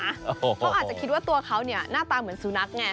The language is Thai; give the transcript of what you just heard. เขาอาจจะคิดว่าตัวเขาเนี่ยหน้าตาเหมือนสุนัขไง